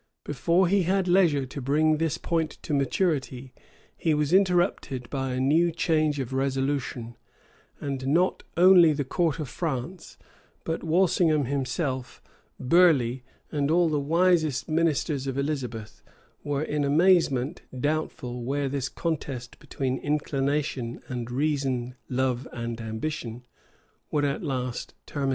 Before he had leisure to bring this point to maturity, he was interrupted by a new change of resolution; [v] and not only the court of France, but Walsingham himself, Burleigh, and all the wisest ministers of Elizabeth, were in amazement doubtful where this contest between inclination and reason love and ambition, would at last terminate.